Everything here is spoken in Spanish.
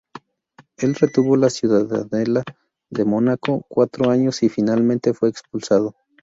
Él retuvo la ciudadela de Mónaco cuatro años y finalmente fue expulsado.